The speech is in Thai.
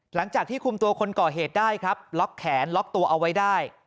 หลังจากที่คุมตัวคนก่อเหตุได้ครับล็อกแขนล็อกตัวเอาไว้ได้